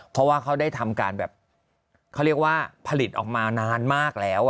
เพราะว่าเขาได้ทำการแบบเขาเรียกว่าผลิตออกมานานมากแล้ว